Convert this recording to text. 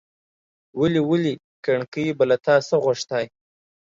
ولي! ولي! کڼکۍ به له تا څه غوښتاى ،